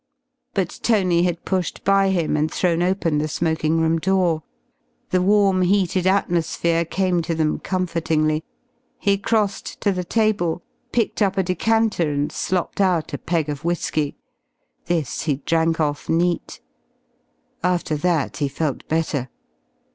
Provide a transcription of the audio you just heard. But Tony had pushed by him and thrown open the smoking room door. The warm, heated atmosphere came to them comfortingly. He crossed to the table, picked up a decanter and slopped out a peg of whisky. This he drank off neat. After that he felt better.